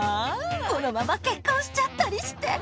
このまま結婚しちゃったりして。